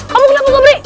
kamu kenapa sobring